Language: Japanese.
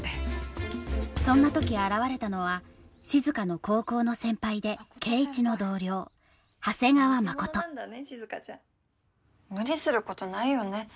そんな時現れたのは静の高校の先輩で圭一の同僚長谷川真琴無理することないよね